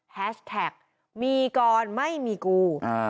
แฮชแท็กมีกรไม่มีกู